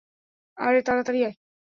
আরে তাড়াতাড়ি আয়!